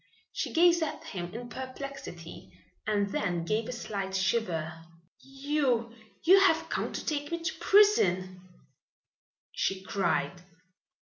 She gazed at him in perplexity and then gave a slight shiver. "You you have come to take me to prison," she cried.